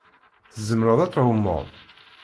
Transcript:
Tzemreḍ ad tɛumeḍ?